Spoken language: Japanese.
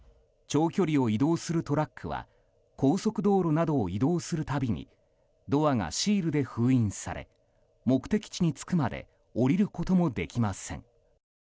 長距離を移動するトラックは高速道路などを移動するたびにドアがシールで封印され目的地に着くまで降りることもできません。